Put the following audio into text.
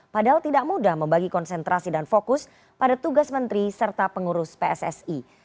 padahal tidak mudah membagi konsentrasi dan fokus pada tugas menteri serta pengurus pssi